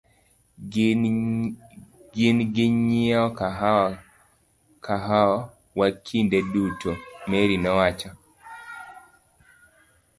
Gin ginyiewo kahawa wa kinde duto, Mary nowacho.